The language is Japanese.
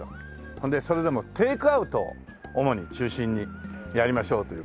ほんでそれでもテイクアウトを主に中心にやりましょうという事で。